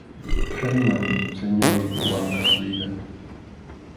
Khaynam Señor de Wankap vidan.